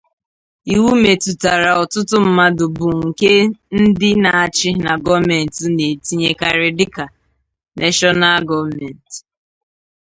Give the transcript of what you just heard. Iwu metụtara ọtụtụ mmadụ bụ nke ndị na-achị na gọọmentị na-etinyekarị dịka neshọnal gọọmentị.